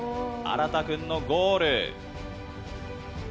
あらたくんのゴール。